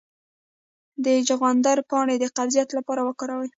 د چغندر پاڼې د قبضیت لپاره وکاروئ